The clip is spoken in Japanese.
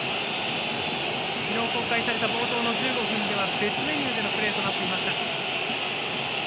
昨日公開された冒頭の１５分では、別メニューのプレーとなっていました。